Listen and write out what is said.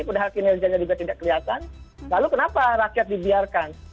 padahal kinerjanya juga tidak kelihatan lalu kenapa rakyat dibiarkan